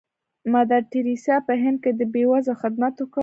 مدر ټریسا په هند کې د بې وزلو خدمت وکړ.